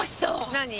何？